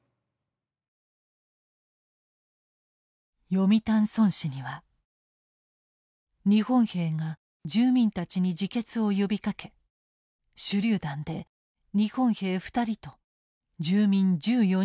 読谷村史には日本兵が住民たちに自決を呼びかけ手榴弾で日本兵２人と住民１４人が犠牲になったと記録されている。